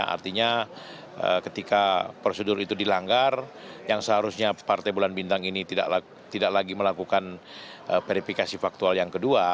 artinya ketika prosedur itu dilanggar yang seharusnya partai bulan bintang ini tidak lagi melakukan verifikasi faktual yang kedua